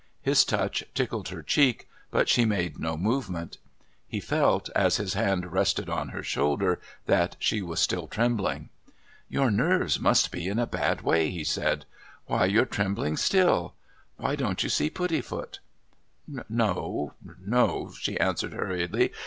His touch tickled her cheek, but she made no movement. He felt, as his hand rested on her shoulder, that she was still trembling. "Your nerves must be in a bad way," he said. "Why, you're trembling still! Why don't you see Puddifoot?" "No no," she answered hurriedly.